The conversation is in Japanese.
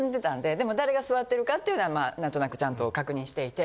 でも誰が座ってるかっていうのはなんとなくちゃんと確認していて。